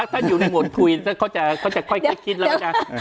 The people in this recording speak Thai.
ถ้าอยู่ในโหมดคุยเขาจะค่อยคิดแล้ว